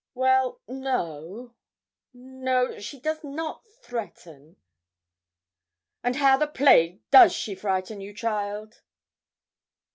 'Well, no no, she does not threaten.' 'And how the plague does she frighten you, child?'